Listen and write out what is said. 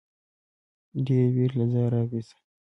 ډېـرې وېـرې له ځايـه راويـښه.